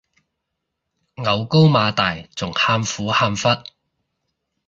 牛高馬大仲喊苦喊忽